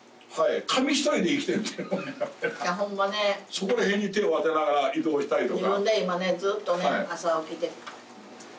そこら辺に手を当てながら移動したりとか。